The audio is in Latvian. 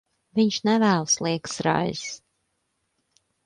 Viņš nevēlas liekas raizes.